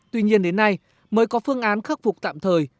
tuy nhiên đến nay mới có phương án khắc phục tạm thời